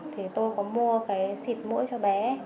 thì tôi có mua cái xịt mũi cho bé